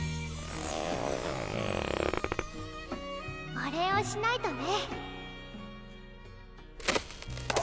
お礼をしないとね。